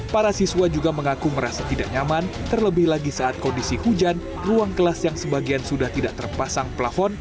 para siswa juga mengaku merasa tidak nyaman terlebih lagi saat kondisi hujan ruang kelas yang sebagian sudah tidak terpasang pelafon